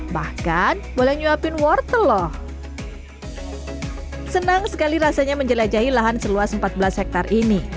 senang sekali rasanya menjelajahi lahan seluas empat belas hektare ini